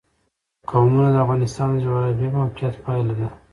قومونه د افغانستان د جغرافیایي موقیعت پایله ده.